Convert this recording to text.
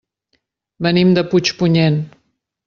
Venim de Puigpunyent.